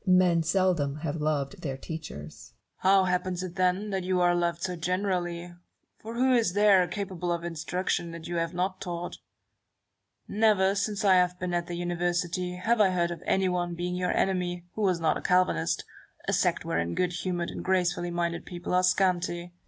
Barrow. Men seldom have loved their teachers. Newton. How happens it, then, that you are loved so generally ; for who is there, capable of instruction, that you have not taught ? Never, since I have been at the Univer sity, have I heard of anyone being your enemy who was not a Calvinist — a sect wherein good humoured and grace fully minded men are scanty.